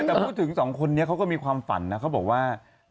แต่พูดถึงสองคนนี้เขาก็มีความฝันนะเขาบอกว่า